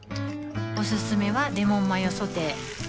おすすめはレモンマヨソテー